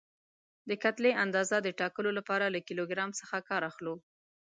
د کتلې اندازې د ټاکلو لپاره له کیلو ګرام څخه کار اخلو.